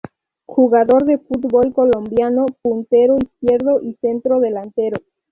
Jugador de fútbol colombiano, puntero izquierdo y centro delantero.